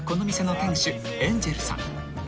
エンジェルさん。